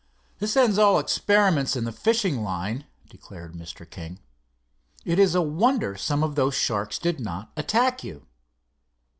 "This ends all experiments in the fishing line," declared Mr. King. "It is a wonder some of those sharks did not attack you."